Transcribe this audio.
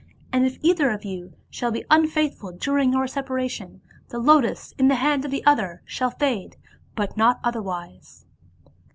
And if either of you shall be unfaithful during your separation, the lotus in the hand of the other shall fade, but not otherwise."